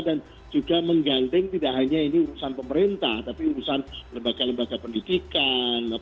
juga mengganting tidak hanya ini urusan pemerintah tapi urusan lembaga lembaga pendidikan